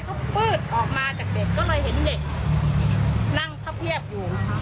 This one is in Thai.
เขาฟืดออกมาจากเด็กก็เลยเห็นเด็กนั่งพับเพียบอยู่